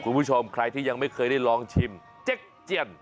คุณผู้ชมใครที่ยังไม่เคยได้ลองชิมเจ๊กเจียน